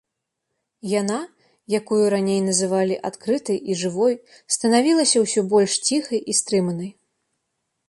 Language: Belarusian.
Яна, якую раней называлі адкрытай і жывой, станавілася ўсё больш ціхай і стрыманай.